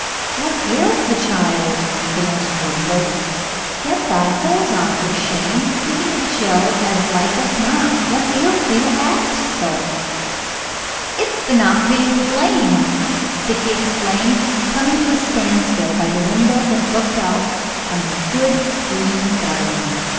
"What ails the child?" the nurse grumbled; "get thy hose on, for shame, taking a chill as like as not. What ails thee to act so?" "It's the not being lame," Dickie explained, coming to a standstill by the window that looked out on the good green garden.